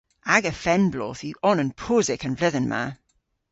Aga fenn-bloodh yw onan posek an vledhen ma.